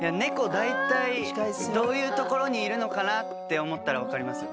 だいたいどういうところにいるのかなって思ったら分かりますよ。